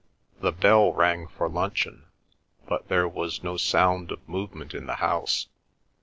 The bell rang for luncheon, but there was no sound of movement in the house.